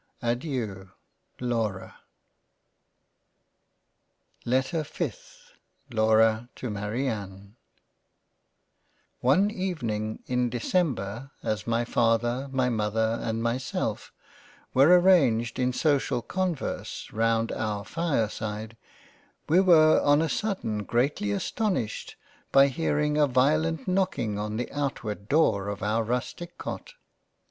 Adeiu Laura. LETTER 5th LAURA to MARIANNE ONE Evening in December as my Father, my Mother and myself, were arranged in social converse round our Fireside, we were on a sudden, greatly aston ished, by hearing a violent knocking on the outward door of our rustic Cot.